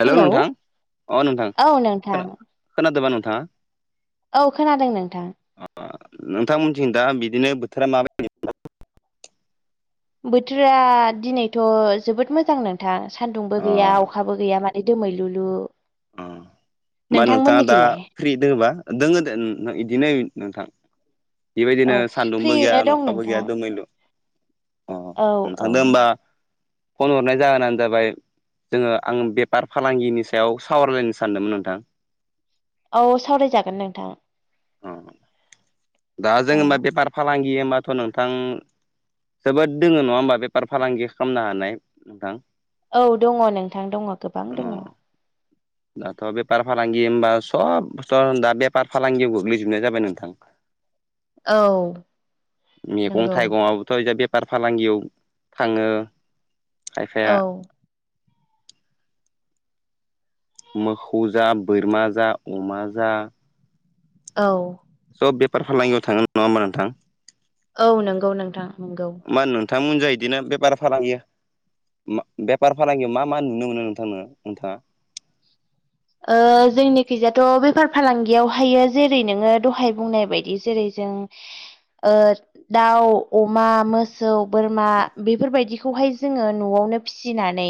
हेल' hello नोंथां अ नोंथां औ नोंथां खोना-खोनादोंबा नोंथाङा? औ खोनादों नोंथां [unintelligible] नोंथांमोनथिं दा बिदिनो बोथोरा माबायदि? बोथोरा दिनैथ' जोबोद मोजां नोंथां सान्दुंबो अ गैया अखाबो गैया मा [unintelligible] दोमैलुलु अ मा नोंथाङा दा नोंथांमोननिखैलाय फ्रि दोङोबा दोङो दे [unintelligible] इदिनो नोंथां। बेबायदिनो औ सान्दुंबो गैया फ्रियैनो दं नखाबो गैया नोंथां दोमैलु अ औ औ नोंथांदो होमबा फन हरनाय जाहोनानो जाबाय जोङो आं बेफार फालांगिनि सायाव सावरायलायनो सानदोंमोन नोंथां। औ सावरायजागोन नोंथां अ दा औ जोंबा बेफार फालांगि हबाथ' नोंथां जोबोद दोङो नङा होमबा बेफार फालांगि खामनो हानाय नोंथां? औ दङ' नोंथां दङ' गोबां अ दङ' दाथ' बेफार फालांगि होमबा सब बस्थ' दा बेफार फालांगियाव गोग्लैजोबनाय जाबाय नोंथां। औ मेगं नंगौ थाइगंङाबोथ' एजाय बे बार फालांगियाव थाङो खायफाया औ मोखौ जा बोरमा जा अमा जा - औ सब बेफार फालांगियाव थाङो नङा होमबा नोंथां। औ नोंगौ नोंथां नोंगौ मा होन नोंथांमोनजों बिदिनो बे बारा फालांगिया मा बेफार फालांगियाव मा मा नुनो मोनो नोंथांनो नोंथाङा। ओ जोंनिखिजाथ' बेफार फालांगियावहायो जेरै नोङो दहाय बुंनाय बायदि जेरै जों ओ दाउ अमा मोसौ बोरमा बेफोरबायदिखौहाय जोङो न'आवनो फिसिनानै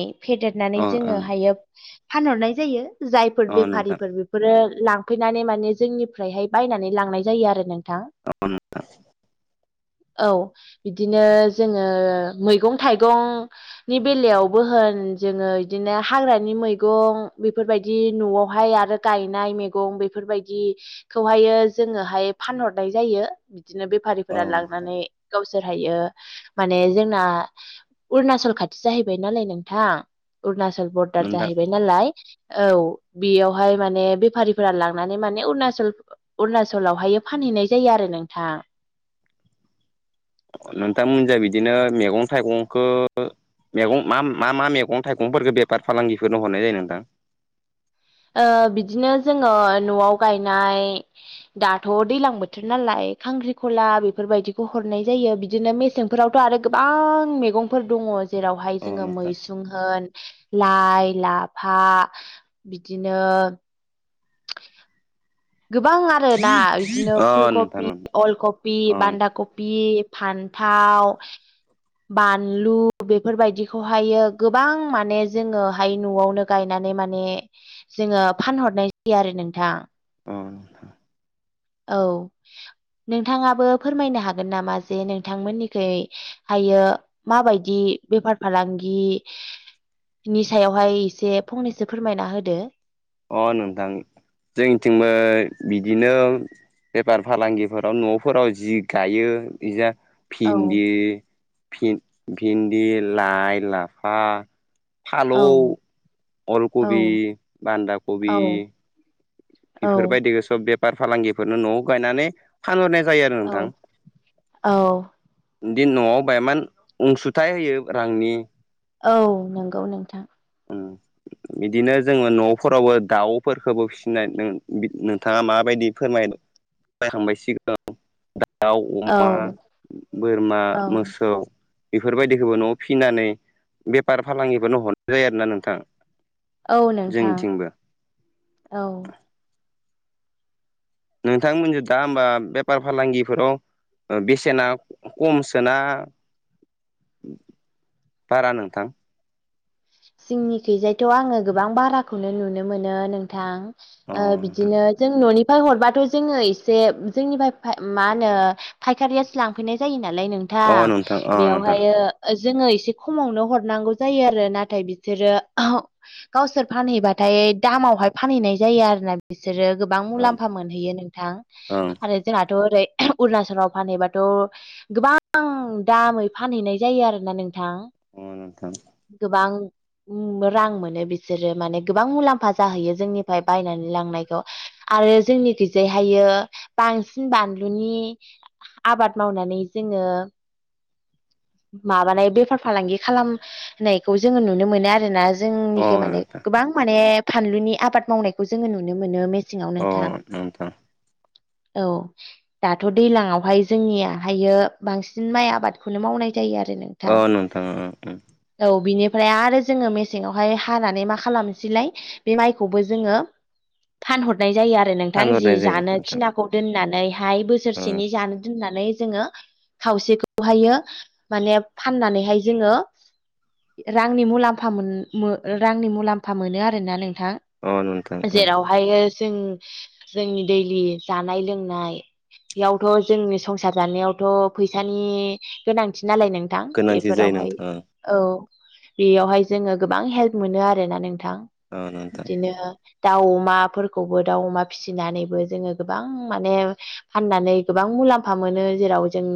अ फेदेरनानै ओं जोङो हायो फानहरनाय जायो जायफोर अ नोंथां बेफारिफोर फोरो लांफैनानै माने जोंनिफ्रायहाय बायनानै लांनाय जायो आरो नोंथां। [inaudible] औ इदिनो जोङो मैगं थाइगं नि बेलायावबो होन जोङो बिदिनो हाग्रानि मैगं बे फोरबायदि न'आवहाय आरो गायनाय मेगं बेफोरबायदि खौहायो जोङोहाय फानहरनाय जायो बिदिनो औ बेफारिफोरा नोंथां लांनानै गावसोर हायो माने जोंना उरणाचल खाथि जाहैबाय नालाय नोंथां अरुणचल बरदार नोंथां जाहैबाय नालाय औ बेयावहाय माने बेफारिफोरा लांनानै माने अरुणाचल अरुणाचलावहाय फानहैनाय जायो आरो नोंथां। नोंथांमोनजाय बिदिनो मेगं थाइगंखौ मेगं मा मा मा मेगं थाइगंफोरखौ बेफार फालांगिफोरनो हरनाय जायो नोंथां? ओ बिदिनो जोङो न'आव गायनाय दाथ' दैलां बोथोर नालाय खांख्रिखला बेफोरबायदिखौ हरनाय जायो बिदिनो मेस सें फोरावथ' आरो गोबां मेगंफोर दङ' जेरावहाय अ जोङो नोंथां मैसुं होन लाइ लाफा बिदिनो गोबां आरोना इदिनो अ फुलकपि नोंथां अल कपि ओं बान्दा कपि फान्थाव बानलु बेफोरबायदिखौहायो गोबां माने जोङोहाय न'आवनो गायनानै माने जोङो फानहरनाय जायो आरो नोंथां अ नोंथां औ नोंथाङाबो फोरमायनो हागोन नामा जे नोंथांमोननिखै। हायो माबायदि बेफार फालांगि। नि सायावहाय एसे फंनैसो फोरमायना होदो। अ नोंथां जोंनिथिंबो बिदिनो। बेफार फालांगिफोराव नफोराव जि गायो इजा औ फिन्दि फि फिन्दि लाइ लाफा। औ फालौ अल औ कबि बान्दा औ कबि। औ बेफोरबायदि सब बेफार फालांगिफोरनो नआव गायनानै। फानहरनाय जायो आरो औ नोंथां। औ बिदि नआव बाहायमान अनसुथायाइ होयो रांनि। औ नंगौ नोंथां। उम बिदिनो जोङो नफोरावबो दाउफोरफोरखौबो फिसिनाय। [unintelligible] नोंथाङा माबायदि फोरमाय [unintelligible] दाउ औ अमा बोरमा औ मोसौ। बेफोरबायदिखौबो नआव फिनानै बेफार फालांगिफोरनो हरनाय जायो आरोना नोंथां। औ नोंथां जोंनिथिंबो औ नोंथांमोनजों दा होमबा बेफार फालांगिफोराव। बेसेना खमसोना? बारा नोंथां। सिंनिखैजायथ आङो गोबां बाराखौनो नुनो मोनो नोंथां। अ ओ नोंथां बिदिनो जों ननिफाय हरबाथ जोङो एसे उ जोंनिफाय मा होनो। फाइखारियासो लांफैनाय जायो नालाय अ नोंथां अ नोंथां बेयावहायो। ओ जोङो एसे खमावनो हरनांगौ जायो आरो ना। थाय बिसोरो आह गावसोर फानहैबाथाय दामावहाय फानहैनाय जायो आरोना। बिसोरो गोबां ओं मुलाम्फा मोनहैयो नोंथां ओं आरो। जोंनाथ ओरै अरुणाचलाव फानहैबाथ। गोबां दामै फानहैनाय जायो आरोना नोंथां। [unintelligible] नोंथां गोबां रां मोनो बिसोरो माने गोबां मुलाम्फा जाहैयो जोंनिफ्राय बायनानै लांनायखौ। आरो जोंनि खैजायहायो बांसिन बानलुनि आबाद मावनानै जोङो। माबानाय बेफार फालांगि खालाम होननायखौ जोङो नुनो मोनो आरोना अ जोंनिखि माने नोंथां गोबां माने। फानलुनि आबाद मावनायखौ जोङो नुनो मोनो मेसेङाव नोंथां। अ नोंथां औ दाथ दैलांवहाय जोंनियाहायो बांसिन माइ आबादखौनो मावनाय। जायो आरो नोंथाङा। ओ ओ ओ औ बिनिफ्राय आरो जोङो मेसेङावहाय हानानै मा खालामनोसैलाय। बे माइखौबो जोङो। फानहरनाय जायो आरो नोंथां जि फानहरनाय जायो जानो नोंथां खिनाखौ दोननानैहाय बस ओं बोसोरसेनि जानो दोननानै जोङो। खावसेखौहायो माने फाननानैहाय जोङो। इ रांनि मुलामफा मोन मो ओ रांनि मुलाम्फा मोनो आरोना नोंथां। अ नोंथांं ओं बेहाय जों जोंनि दैलि जानाय लोंनाय बेयावथ जोंनि संसार जानायावथ फैसानि गोनांथि नालाय नों थां गोनांथि जायो बेफोरावहाय। नोंथां ओं औ बेयावहाय जोङो गोबां हेल्प मोनो आरोना नोंथां। अ नोंथां बिदिनो दाउ अमाफोरखौबो दाउ अमा फिसिनानैबो जोङो गोबां माने फाननानै गोबां मुलाम्फा मोनो जेराव जों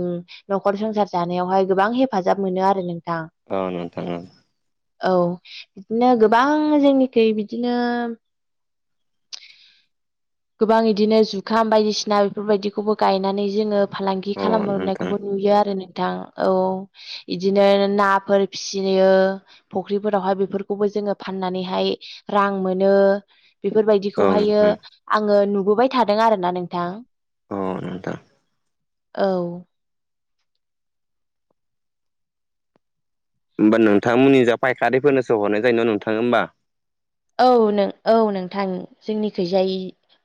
नखर संसार जानायावहाय गोबां हेफाजाब मोनो आरो नोंथां औ नोंथां ओ औ बिदिनो गोबां जोंनिखि बिदिनो गोबां बिदिनो जुखाम बायदिसिना बेफोरबायदिखौबो गायनानै जोङो फालांगि ओं अ नोंथां खालामनायखौबो नुयो आरो नोंथां औ। इदिनो नाफोर फिसियो। फुख्रिफोरावहाय बेफोरखौबो जोङो फाननानैहाय रां मोनो ओं बेफोरबायदिखौहायो ओं आङो नुबोबाय थादों आर ना नोंथां औ नोंथां औ होमबा नोंथांमोननि जा फायखारिफोरनोसो हरनाय जायो ना नोंथाङो होमबा औ नों-औ नोंथां जोंनि खैजाय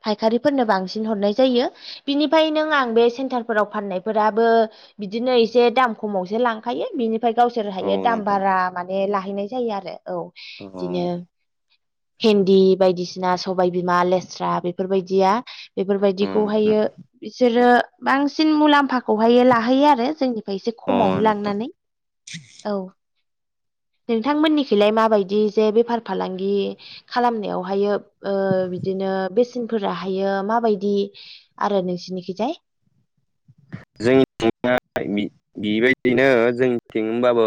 फायखारिफोरनो बांसिन हरनाय जायो। बिनिफ्राय नों आं बे सेन्टारफोराव फाननायफोराबो बिदिनो एसे दाम खमावसो लांखायो बिनिफ्राय ओमफफ्राय गावसोर औ हायो दाम नोंथां बारा माने लाहैनाय जायो आरो औ अ बिदिनो हेन्दि बायदिसिना सबायाइ बिमा लेस्रा बेफोरबायदिया अ बेफोरबायदिखौहायो नोंथां बिसोरो बांसिन मुलाम्फा खौहायो लाहैयो आरो जोंनिफ्राय एसे अ खमावनो नोंथां लांनानै। औ नोंथांमोननिखिलाय माबायदि जे बेफार फालांगि बे खालामनायावहायो ओ बिदिनो बेसेनफोराहायो माबायदि आरो नोंसिनिखिजाय? जोंनि [unintelligible] बिबायदिनो जोंनिथिं होनबाबो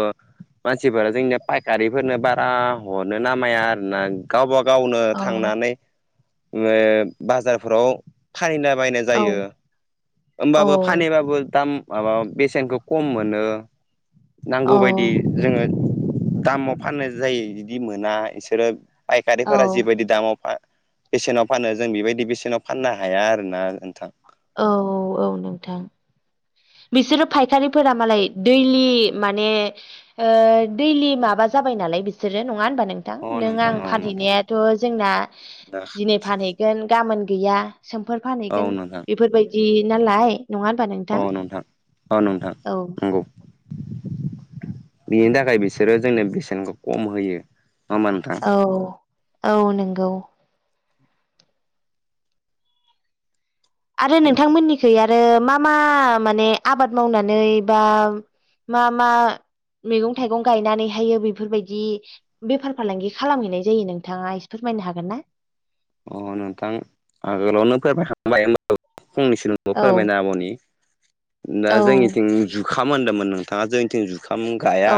मानसिफोरा जोंनिया फायखारिफोरनो बारा हरनो नामाया आरोना गावबा गावनो औ थांनानै ओ बाजारफोराव फानलिला बायनाय औ जायो औ होमबाबो बो दाम माबा बेसेनखौ खम मोनो नांगौ औ बायदि जोङो दामाव फाननाय जायो बिदि मोना इसोरो औ फायखारिफोरा जिबायदि दामाव बेसेनाव फानो जों बेबायदि बेसेनाव फाननो हाया आरोना नोंथां। औ औ नोंथां। बिसोरो फायखारिफोरा मालाय दैलि माने ओ दैलि माबा जाबाय नालाय बिसोरो नङा होनबा नों थां अ नों नोंथां आं औ नोंथां फानहैनायाथ' जोंना दिनै फानहैगोन गाबोन गैया। सोमफोरोर फानहैगोन बेफोरबायदि नालाय नङा होनबा नों अ नोंथां औ नोंथां नंगौ बिनि थाखाय बिसोरो जोंनो बेसेनखौ खम होयो। नङा होमबा नोंथां औ औ नंगौ आरो नोंथांमोननिखै आरो आरो मा मा माने आबाद मावनानै बा मा मा मैगं थाइगं गायनानैहायो बेफोरबायदि बेफार फालांगि खालामहैनाय जायो नोंथाङा एसे फोरमायनो हागोन ना? अ नोंथां आगोलावनो फबायखांबाय हब फंनैसो बे औ फोरमायना आब'नि दा औ जोंनिथिं जु खाम होनदोंमोन नोंथाङा जोंनिथिं जुखाम गाया औ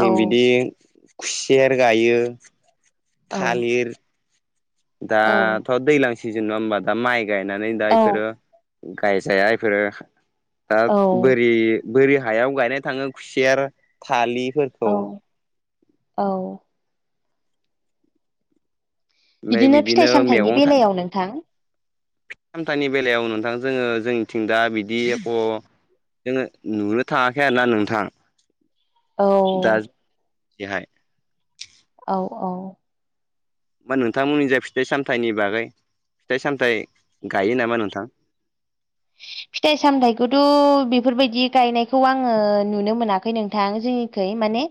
औ बिदि खुसेर गायो औ थालिर औ दाथ' दैज्लां सिजोन नङा हबा दा माइ गायनानै दा औ इफोरो गायजाया इफोरो दा औ बोरि बोरि हायाव गायनाय थाङो खुसेर थालिफो औ औ ओमफ्राय बिदिनो फिथाइ सामथाइनि मैगं बेलायाव नोंथां सामथानि बेलायाव नोंथां जोङो जोंनिथिं दा बिदि जोङो नुनो थाङाखै आरोोना नोंथां औ दा बेहाय औ औ मा नोंथांमोननि जा फिथाइ सामथाइनि बागै फिथाइ सामथायाइ गायो नामा नोंथां फिथाइ सामथायाइखौथ' बेफोरबायदि गायनायखौ आङो नुनो मोनाखै नोंथां जोंनि ै माने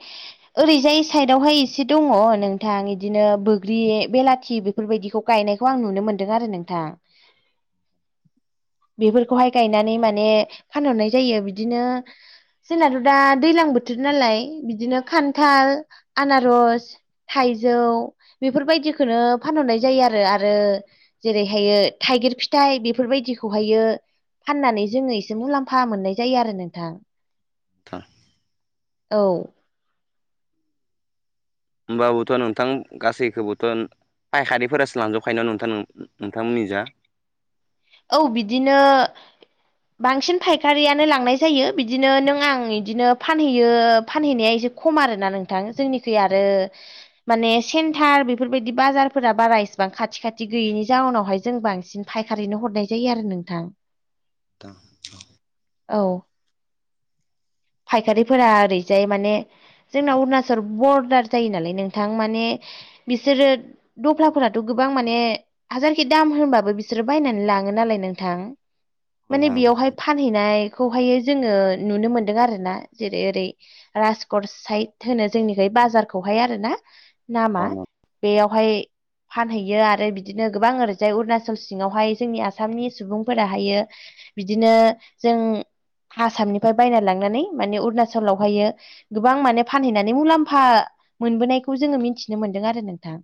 ओरैजाय साइदावहाय एसे दङ नोंथां इदिनो बग्रि बेलाथि बे बेफोरबायदिखौ गायनायखौ आं नुनो मोनदों आरो नोंथां [inaudible] बेफोरखौहाय गायनानै माने फानहरनाय जायो बिदिनो जोंनाथ' दा दैज्लां बोथोर नालाय बिदिनो खान्थाल आनारस थाइजौ बेफोरबायदिखौनो फानहरनाय जायो आरो आरो जेरैहायो थाइगिर फिथाइ बेफोरबायदिखौहायो फाननानै जोङो एसे मुलाम्फा मोननाय जायो आरो नोंथां। नोंथां औ होमबाबोथ' नोंथां गासैखौबोथ' फायखारिफोरासो लांजोबखायो ना नोंथां नोंथांमोननि जा? औ बिदिनो बांसिन फायखारियानो लांनाय जायो बिदिनो नों आं बिदिनो फानहैयो फानहैनाया एसे खम आरोना नोंथां जोंनिखै आरो माने सेन्टार बेफोरबायदि बाजारफोरा बारा इसिबां खाथि खाथि गैयिनि जाउनावहाय जों बांसिन फायखारिनो हरनाय जायो आरो नोंथां। दा [inaudible] औ फायखारिफोरा ओरैजाय माने जोंना अरुणाचल बरदार जायो नालाय नोंथां माने बिसोरो दफ्लाफोराथ' गोबां माने हाजारखि दाम होनबाबो बिसोरो बायनानै लाङो नालाय नोंथां। माने नोंथां बेयावहाय फानहैनायखौहाय जोङो नुनो मोनदों आरो। जेरै ओरै राजकट साइद होनो जोंनिखै बाजारखौहाय आरो ना। नामा अ बेयावहाय फानहैयो आरो बिदिनो गोबां ओरैजाय अरुणाचल सिङावहाय जोंनि आसामनि सुबुंफोराहायो बिदिनो जों आसामनिफ्राय बायना लांनानै माने अरुणचलावहायो गोबां माने फानहैनानै मुलाम्फा मोनबोनायखौ जोङो मिथिनो मोनदों आरो नोंथां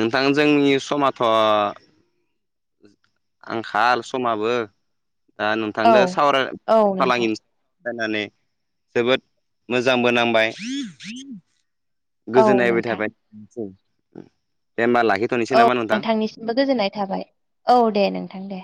नोंथां जोंनि समाथ' आंखाल समाबो दा औ नोंथांनो सावराय औ बि नोंथां फालांगिनोस ायनानै जोबोद मोजांबो नांबाय औ गोजोननायबाय नोंथां थाबायस दे होमबा लाखि औ नोंथांनिसिमबो गोजोननाय थाबाय औ दे नोंथां दे।